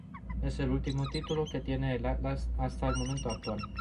Es el único título que tiene el Atlas hasta el momento actual.